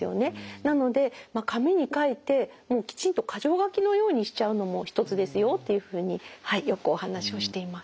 なので紙に書いてもうきちんと箇条書きのようにしちゃうのも一つですよっていうふうによくお話をしています。